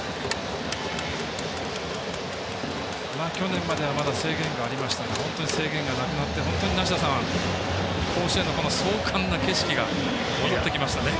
去年まではまだ制限がありましたが本当に制限がなくなって本当に梨田さん甲子園の壮観な景色が戻ってきましたね。